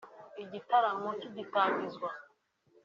Igitaramo kigitangizwa